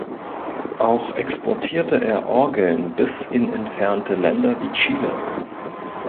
Auch exportierte er Orgeln bis in entfernte Länder wie Chile.